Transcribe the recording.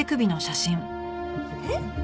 えっ！